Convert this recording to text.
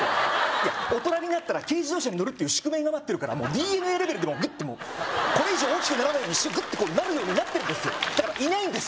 いや大人になったら軽自動車に乗るっていう宿命が待ってるからＤＮＡレベルでグッてもうこれ以上大きくならないようにグッてなるようになってるんですよだからいないんです